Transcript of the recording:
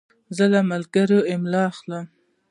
زه له ملګري املا اخلم.